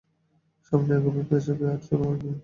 সামনে এগোবি, পেছাবি আর ছুড়ে মারবি।